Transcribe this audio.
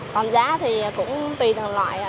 còn giá thì cũng tùy thường loại